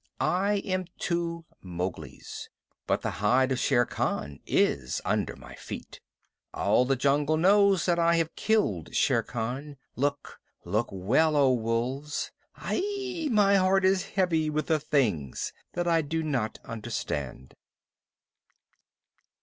I am two Mowglis, but the hide of Shere Khan is under my feet. All the jungle knows that I have killed Shere Khan. Look look well, O Wolves! Ahae! My heart is heavy with the things that I do not understand.